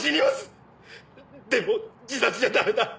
でも自殺じゃダメだ！